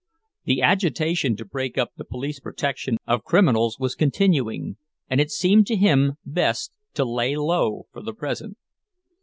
The agitation to break up the police protection of criminals was continuing, and it seemed to him best to "lay low" for the present.